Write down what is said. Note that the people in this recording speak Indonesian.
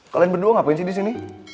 kalian berdua ngapain sih disini